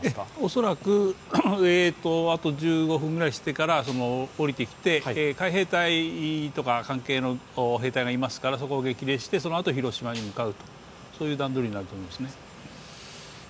恐らくあと１５分ぐらいしてから降りてきて、海兵隊とか関係の兵隊がいますから、そこを激励して、そのあと広島に向かうという段取りになると思いますね。